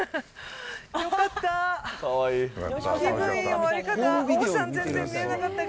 よかった。